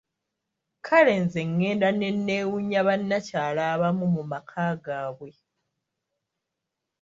Kale nze ngenda ne nneewuunya bannakyala abamu mu maka gaabwe!